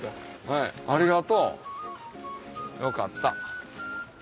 はいありがとう。よかった。